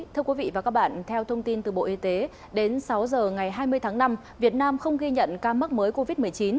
thưa quý vị và các bạn theo thông tin từ bộ y tế đến sáu giờ ngày hai mươi tháng năm việt nam không ghi nhận ca mắc mới covid một mươi chín